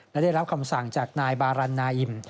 และได้รับคำสั่งจากนายบารันนาอิม